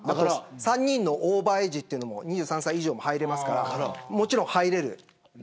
３人のオーバーエイジというのも２３歳以上が入れますからもちろん入れる。